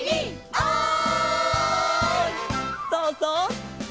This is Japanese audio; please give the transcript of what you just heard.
「おい！」